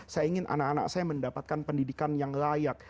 saya ingin anak anak saya mendapatkan pendidikan yang layak